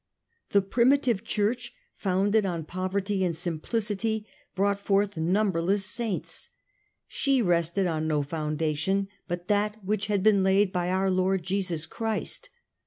... The primitive Church, founded on poverty and simplicity, brought forth numberless Saints : she rested on no foundation but that which had been laid by our Lord Jesus Christ.